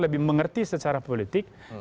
lebih mengerti secara politik